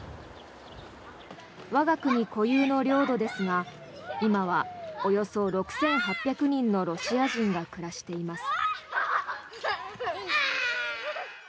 我が国固有の領土ですが今はおよそ６８００人のロシア人が暮らしています。